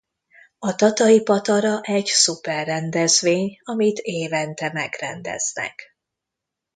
A Tatai patara egy szuper rendezvény, amit évente megrendeznek.